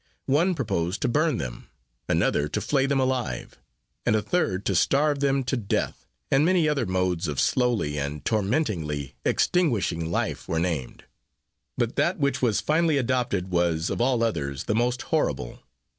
One proposed to burn them, another to flay them alive, and a third to starve them to death, and many other modes of slowly and tormentingly extinguishing life were named; but that which was finally adopted was, of all others, the most horrible.